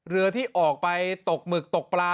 เรือที่ออกไปตกหมึกตกปลา